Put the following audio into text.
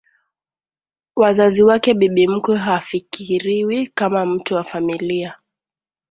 wazazi wake Bibi mkwe hafikiriwi kama mtu wa familia